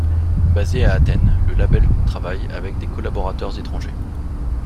Basé à Athènes, le label travaille avec des collaborateurs étrangers.